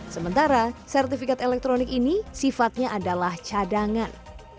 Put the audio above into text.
sementara sertifikat elektronik ini sifatnya adalah cadangan